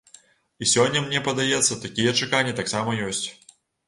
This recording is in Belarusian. І сёння мне падаецца такія чаканні таксама ёсць.